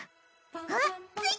あっ着いた！